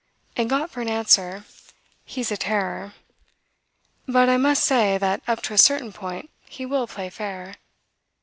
and got for an answer: "He's a terror; but I must say that up to a certain point he will play fair.